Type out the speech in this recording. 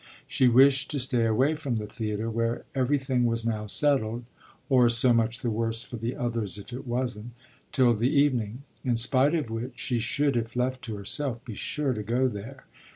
She wished to stay away from the theatre, where everything was now settled or so much the worse for the others if it wasn't till the evening; in spite of which she should if left to herself be sure to go there.